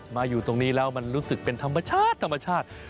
มาอยู่ตรงนี้แล้วมันรู้สึกเป็นธรรมชาติ